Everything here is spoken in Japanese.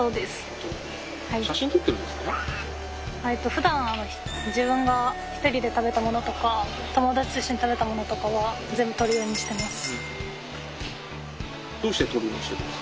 ふだん自分が一人で食べたものとか友達と一緒に食べたものとかは全部撮るようにしてます。